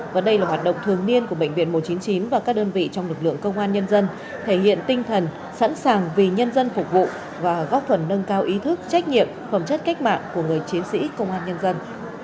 và đây là hoạt động thường niên của bệnh viện một trăm chín mươi chín và các đơn vị trong lực lượng công an nhân dân thể hiện tinh thần sẵn sàng vì nhân dân phục vụ và góp phần nâng cao ý thức trách nhiệm phẩm chất cách mạng của người chiến sĩ công an nhân dân